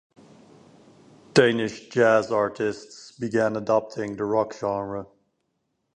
Danish jazz artists began adopting the rock genre.